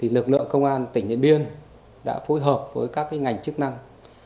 lực lượng công an tỉnh điện biên đã phối hợp với các ngành chức năng